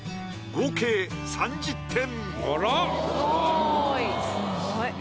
合計３０点。